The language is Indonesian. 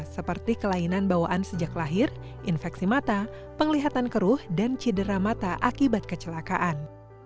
seperti kelainan bawaan sejak lahir infeksi mata penglihatan keruh dan cedera mata akibat kecelakaan